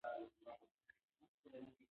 ځینې درمل باید د ډوډۍ وروسته وخوړل شي.